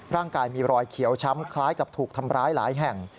ร่างกายมีรอยเขียวช้ำคล้ายกับถูกทำร้ายหลายแห่ง